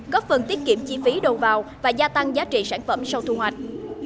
góp phần tiết kiệm chi phí đầu vào và gia tăng giá trị sản phẩm sau thu hoạch